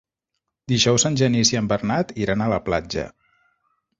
Dijous en Genís i en Bernat iran a la platja.